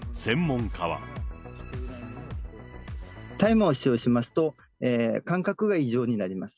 大麻を使用しますと、感覚が異常になります。